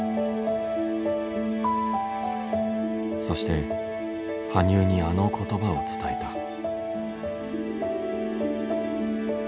そして羽生にあの言葉を伝えた。